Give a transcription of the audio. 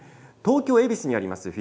東京・恵比寿にあります